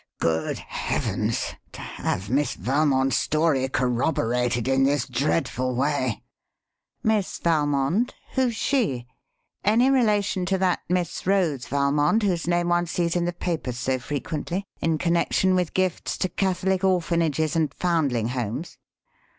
"Good heavens! to have Miss Valmond's story corroborated in this dreadful way." "Miss Valmond? Who's she? Any relation to that Miss Rose Valmond whose name one sees in the papers so frequently in connection with gifts to Catholic Orphanages and Foundling Homes?"